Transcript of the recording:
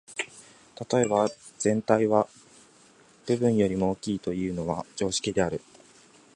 例えば、「全体は部分よりも大きい」というのは常識である。